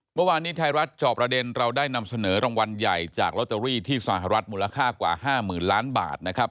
เมื่อวานนี้ไทยรัฐจอบประเด็นเราได้นำเสนอรางวัลใหญ่จากลอตเตอรี่ที่สหรัฐมูลค่ากว่า๕๐๐๐ล้านบาทนะครับ